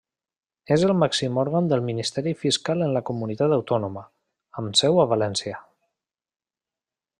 És el màxim òrgan del Ministeri Fiscal en la comunitat autònoma, amb seu a València.